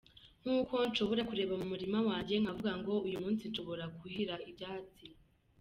Nk’uko nshobora kureba mu murima wanjye nkavuga ngo uyu munsi nshobora kuhira ibyatsi.